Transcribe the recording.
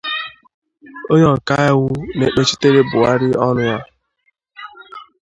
onye ọkaiwu na-ekpechitere Buhari ọnụ ya